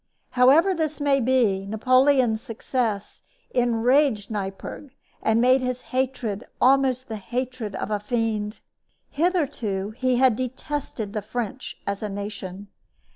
However this may be, Napoleon's success enraged Neipperg and made his hatred almost the hatred of a fiend. Hitherto he had detested the French as a nation.